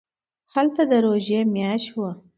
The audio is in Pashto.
هلته د روژې میاشت وه.